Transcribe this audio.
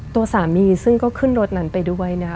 ตัวสามีซึ่งก็ขึ้นรถนั้นไปด้วยนะคะ